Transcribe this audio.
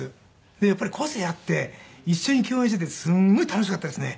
でやっぱり個性あって一緒に共演していてすごい楽しかったですね。